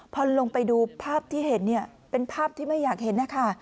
พอลงไปดูภาพที่เห็นเนี่ยเป็นภาพที่ไม่อยากเห็นนะคะ